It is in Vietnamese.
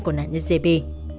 của nạn nhân giê bê